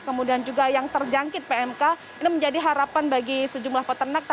kemudian juga yang terjangkit pmk ini menjadi harapan bagi sejumlah peternak